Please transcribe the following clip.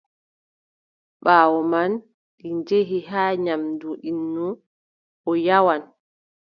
Ɓaawo man, ɗi njehi haa nyaamdu innu, o nyawan.